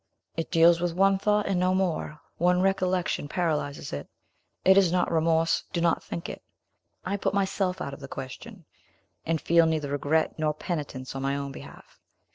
"It deals with one thought and no more. One recollection paralyzes it. It is not remorse; do not think it! I put myself out of the question, and feel neither regret nor penitence on my own behalf.